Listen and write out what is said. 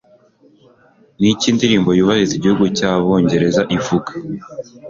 Niki Indirimbo yubahiriza igihugu cyabongereza ivuga